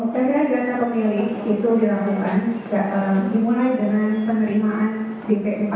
pemilih itu dilakukan dimulai dengan penerimaan dp empat